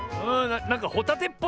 なんかホタテっぽいよね。